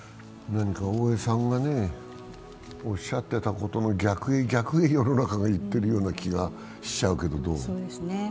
何か大江さんがおっしゃっていたことの逆へ、逆へ世の中がいっているような気がしちゃうけど、どうですか。